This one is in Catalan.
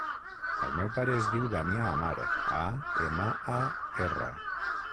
El meu pare es diu Damià Amar: a, ema, a, erra.